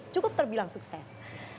cukup terbilang sukses